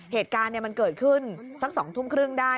เหตุการณ์มันเกิดขึ้นสัก๒ทุ่มครึ่งได้